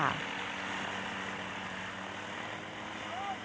โอเค